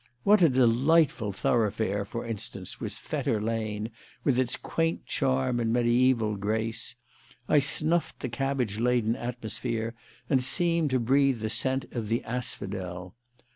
What a delightful thoroughfare, for instance, was Fetter Lane, with its quaint charm and mediaeval grace! I snuffed the cabbage laden atmosphere and seemed to breathe the scent of the asphodel.